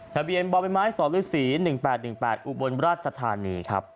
ทะเบียนบมสศ๑๘๑๘อุบลราชธานีครับ